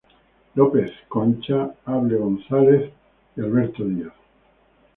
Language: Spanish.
López Concha, Able Gonzáles y Alberto Díaz.